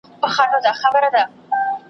غرق رحمت دي وي